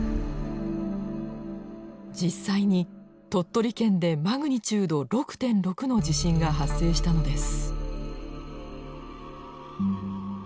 実際に鳥取県でマグニチュード６．６の地震が発生したのです。